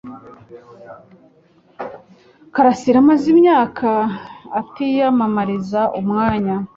Karasira amaze imyaka atiyamamariza umwanya